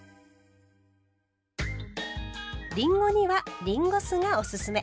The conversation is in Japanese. りんごにはりんご酢がおすすめ。